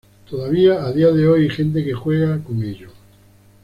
Todavía a dia de hoy hay gente que "juega" con ello.